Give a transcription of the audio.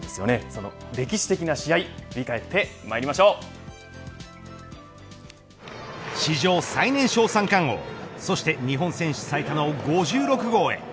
その歴史的な試合史上最年少三冠王そして日本選手最多の５６号へ。